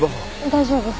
大丈夫。